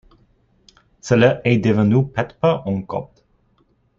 Cela est devenu Petpeh en copte.